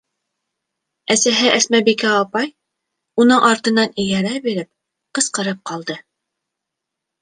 Әсәһе Әсмәбикә апай, уның артынан эйәрә биреп, ҡысҡырып ҡалды: